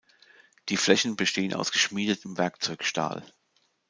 Die Flächen bestehen aus geschmiedetem Werkzeugstahl.